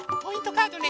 カードね。